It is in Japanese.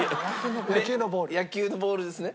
野球のボールですね？